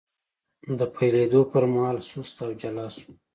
د پیلېدو پر مهال سست او جلا شو،